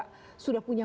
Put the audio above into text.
kita lebih punya kepekaan